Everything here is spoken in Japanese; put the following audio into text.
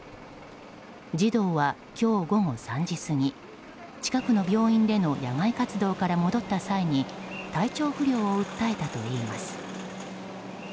児童は今日午後３時過ぎ近くの公園での野外活動から戻った際に体調不良を訴えたといいます。